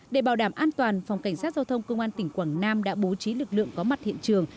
để bảo đảm an toàn phòng cảnh sát giao thông công an tỉnh quảng nam đã bố trí lực lượng có mặt hiện trường